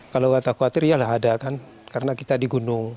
kalau kata khawatir ya lah ada kan karena kita di gunung